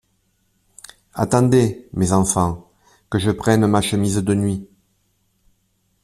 Attendez, mes enfants, que je prenne ma chemise de nuit !